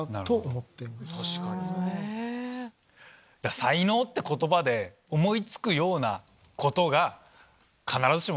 才能って言葉で思い付くことが必ずしも。